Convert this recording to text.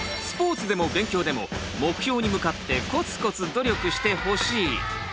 スポーツでも勉強でも目標に向かってコツコツ努力してほしい。